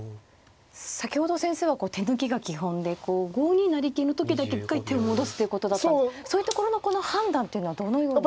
先ほど先生は手抜きが基本で５二成桂の時だけ一回手を戻すということだったんですけどそういうところのこの判断っていうのはどのように。